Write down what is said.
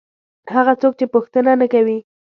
هغه څوک چې پوښتنه نه کوي.